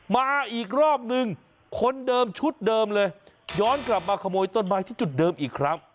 มาอีกรอบนึงคนเดิมชุดเดิมเลยย้อนกลับมาขโมยต้นไม้ที่จุดเดิมอีกครั้ง